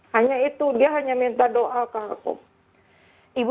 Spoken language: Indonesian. hanya itu dia hanya minta doa kartu